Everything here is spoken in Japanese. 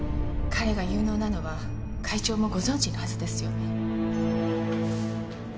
彼が有能なのは会長もご存じのはずですよね。